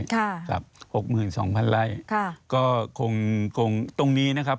ค่ะครับหกหมื่นสองพันไร่ค่ะก็คงคงตรงนี้นะครับ